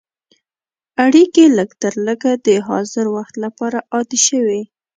اړیکې لږترلږه د حاضر وخت لپاره عادي شوې.